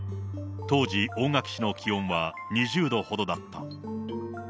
当時、大垣市の気温は２０度ほどだった。